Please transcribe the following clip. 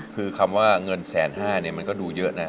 คือคำว่าเงิน๑๑๐๐๐๐บาทมันก็ดูเยอะนะ